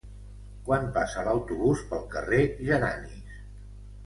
Quan passa l'autobús pel carrer Geranis?